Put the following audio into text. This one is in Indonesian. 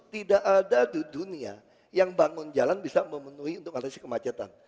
tidak ada di dunia yang bangun jalan bisa memenuhi untuk mengatasi kemacetan